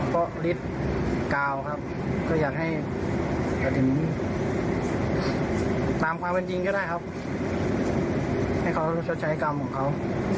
ก็ฤทธิ์กาวครับก็อยากให้กระทิมตามความจริงก็ได้ครับให้เขารู้ชัดใช้กรรมของเขา